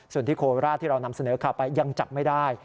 ส่วนที่โคราชที่เรานำเสนอข่าวไปยังจับไม่ได้